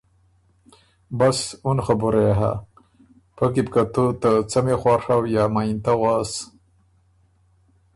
بس اُن خبُره يې هۀ، پۀ کی بو که تو ته څمی خواڒؤ یا مَئِنتۀ غؤس۔